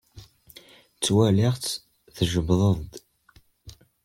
Ttwaliɣ-tt tjebbed-d.